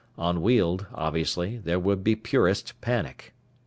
On Weald, obviously, there would be purest panic.